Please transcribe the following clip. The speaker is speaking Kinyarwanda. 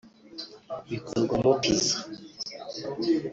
bikorwamo Pizza